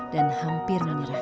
dan hampir menyerah dalam keadaan